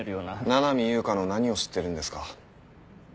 七海悠香の何を知ってるんですか？